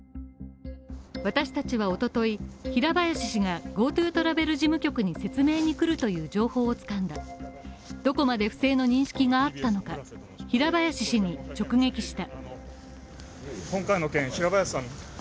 私達は一昨日、平林氏がＧｏＴｏトラベル事務局に説明に来るという情報を掴んだどこまで不正の認識があったのか平林氏に直撃した。